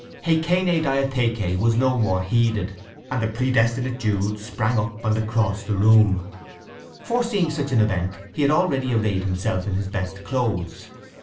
Η ΚΑΙΝΗ ΔΙΑΘΗΚΗ was no more heeded, and the predestinate Jude sprang up and across the room. Foreseeing such an event he had already arrayed himself in his best clothes.